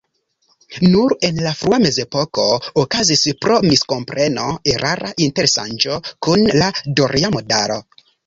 Nur en la frua mezepoko okazis pro miskompreno erara interŝanĝo kun la doria modalo.